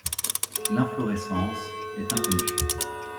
L'inflorescence est inconnue.